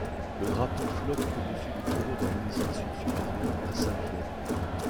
Le drapeau flotte au-dessus du bureau de l'administration supérieur à Saint-Pierre.